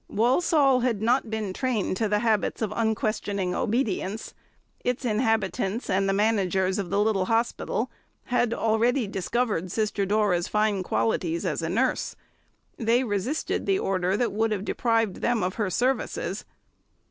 Walsall had not been trained to habits of unquestioning obedience; its inhabitants and the managers of the little hospital had already discovered Sister Dora's fine qualities as a nurse. They resisted the order that would have deprived them of her services.